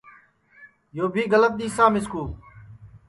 یو بھی گلت دِؔسا مِسکُو